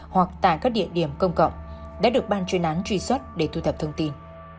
hoặc tại các địa điểm công cộng đã được ban chuyên án truy xuất để thu thập thông tin